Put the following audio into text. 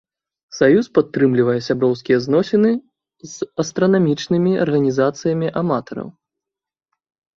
Саюз падтрымлівае сяброўскія зносіны з астранамічнымі арганізацыямі аматараў.